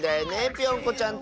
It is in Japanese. ぴょんこちゃんって。